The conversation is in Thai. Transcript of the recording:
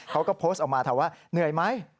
เขาก็โพสต์ออกมาถามว่าเหนื่อยไหม